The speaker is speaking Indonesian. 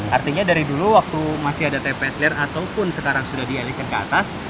artinya dari dulu waktu masih ada tps liar ataupun sekarang sudah dialihkan ke atas